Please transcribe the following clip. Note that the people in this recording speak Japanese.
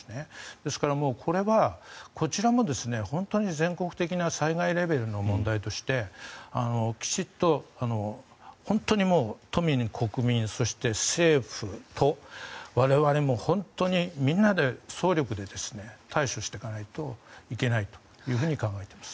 ですからこれはこちらも本当に全国的な災害レベルの問題としてきちんと本当に都民、国民そして、政府、都我々も本当にみんなで総力で対処していかないといけないというふうに考えています。